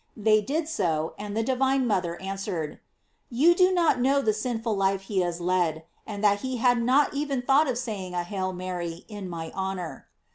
They did so, and the divine mother answered: "You do not know the sinful life he has led, and that he had not even thought of saying a 'Hail Mary' in my honor."